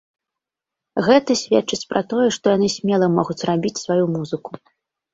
Гэта сведчыць пра тое, што яны смела могуць рабіць сваю музыку.